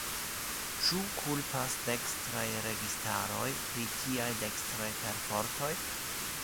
Ĉu kulpas dekstraj registaroj pri tiaj dekstraj perfortoj?